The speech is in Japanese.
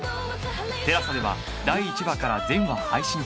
ＴＥＬＡＳＡ では第１話から全話配信中